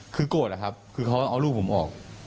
คือโกรธอะครับคือเขาเอาลูกผมออก